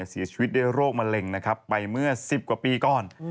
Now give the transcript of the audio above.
เสียชีวิตโรคมะเร็งไปเมื่อ๑๐กว่าปีก่อน